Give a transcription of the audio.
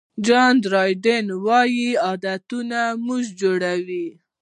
جان ډرایډن وایي عادتونه موږ جوړوي.